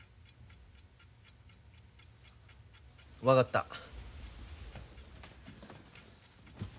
分かった。